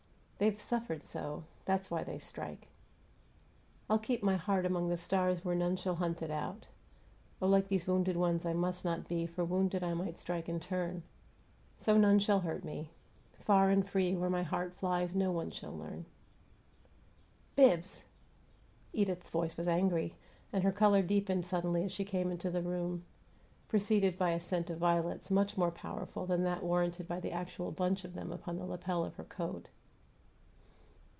They've suffered so, that's why they strike. I'll keep my heart among the stars Where none shall hunt it out. Oh, like These wounded ones I must not be, For, wounded, I might strike in turn! So, none shall hurt me. Far and free Where my heart flies no one shall learn. "Bibbs!" Edith's voice was angry, and her color deepened suddenly as she came into the room, preceded by a scent of violets much more powerful than that warranted by the actual bunch of them upon the lapel of her coat.